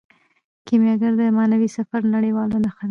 کیمیاګر د معنوي سفر نړیواله نښه ده.